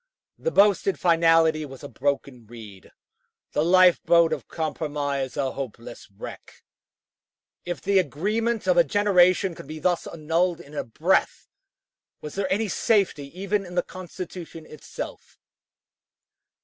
The boasted finality was a broken reed; the life boat of compromise a hopeless wreck. If the agreement of a generation could be thus annulled in a breath, was there any safety even in the Constitution itself?